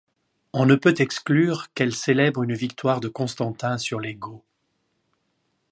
On ne peut exclure qu'elle célèbre une victoire de Constantin sur les Goths.